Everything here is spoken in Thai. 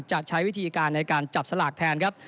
จะใช้วิธีการในการจับสลากแทนครับ